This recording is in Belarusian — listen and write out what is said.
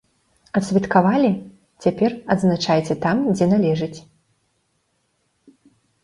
Адсвяткавалі, цяпер, адзначайце там, дзе належыць.